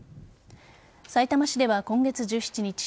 さいたま市では今月１７日